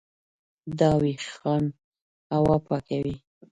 دا وېښتان هوا پاکوي.